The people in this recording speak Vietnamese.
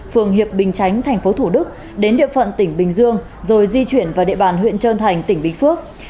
phường hiệp bình chánh tp thủ đức đến địa phận tỉnh bình dương rồi di chuyển vào địa bàn huyện trơn thành tỉnh bình phước